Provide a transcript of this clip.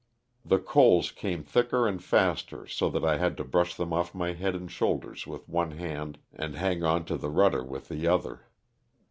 The coals came thicker and faster so that I had to brush them off my head and shoulders with one hand and hang on to the rudder with the other.